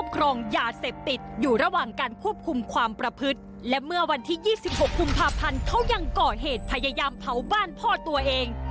ครองยาเสพติดอยู่ระหว่างการควบคุมความประพฤติและเมื่อวันที่๒๖กุมภาพันธ์เขายังก่อเหตุพยายามเผาบ้านพ่อตัวเอง